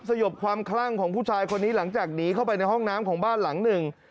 สยบความคลั่งของผู้ชายคนนี้หลังจากหนีเข้าไปในห้องน้ำของบ้านหลังหนึ่ง